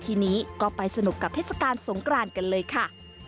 ทีนี้ก็ไปสนุกกับเทศกาลสงกรานกันเลยค่ะ